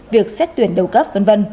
việc xét tuyển đầu cấp v v